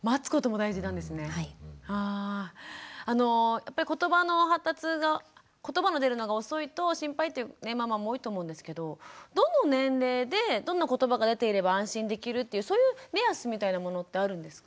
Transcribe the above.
やっぱりことばの発達がことばの出るのが遅いと心配というねママも多いと思うんですけどどの年齢でどんなことばが出ていれば安心できるっていうそういう目安みたいなものってあるんですか？